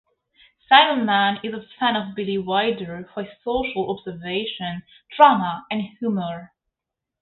Seidelman is a fan of Billy Wilder for his social observation, drama and humor.